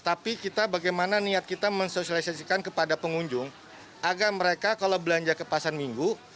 tapi kita bagaimana niat kita mensosialisasikan kepada pengunjung agar mereka kalau belanja ke pasar minggu